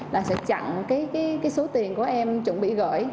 là sẽ chặn cái số tiền của em chuẩn bị gửi